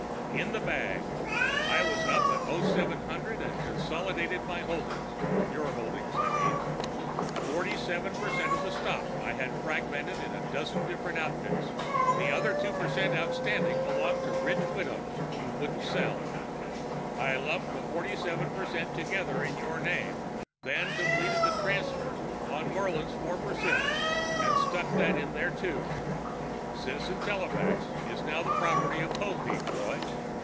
"In the bag. I was up by 0700 and consolidating my holdings your holdings, I mean. Forty seven percent of the stock I had fragmented in a dozen different outfits; the other two percent outstanding belonged to rich widows who wouldn't sell. I lumped the forty seven percent together in your name, then completed the transfer on Murlin's four percent and stuck that in there too. Citizen telefax is now the property of Popeek, Roy!"